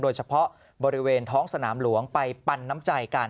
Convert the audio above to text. โดยเฉพาะบริเวณท้องสนามหลวงไปปันน้ำใจกัน